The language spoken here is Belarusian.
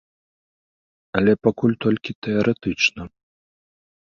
Але пакуль толькі тэарэтычна.